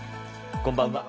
こんばんは。